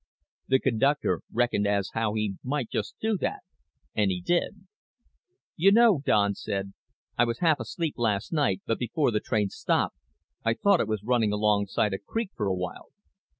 The conductor reckoned as how he might just do that, and did. "You know," Don said, "I was half asleep last night but before the train stopped I thought it was running alongside a creek for a while."